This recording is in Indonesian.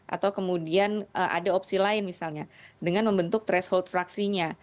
atau kemudian ada opsi lain misalnya dengan membentuk threshold fraksinya